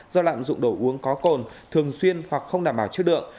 do lạm dụng đồ uống có cồn thường xuyên hoặc không đảm bảo chứa đựng